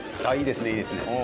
ああいいですね。